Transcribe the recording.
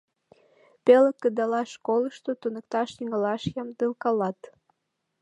Пеле кыдалаш школышто туныкташ тӱҥалаш ямдылкалат.